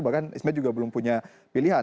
bahkan isbat juga belum punya pilihan